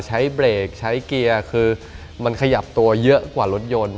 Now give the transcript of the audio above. ใช้เบรกใช้เกียร์คือมันขยับตัวเยอะกว่ารถยนต์